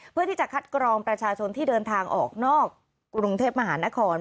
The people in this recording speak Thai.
เพื่อที่จะคัดกรองประชาชนที่เดินทางออกนอกกรุงเทพมหานคร